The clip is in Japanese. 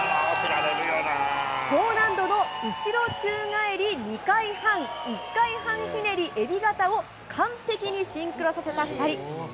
高難度の後ろ宙返り２回半１回半ひねりえび型を、完璧にシンクロさせた２人。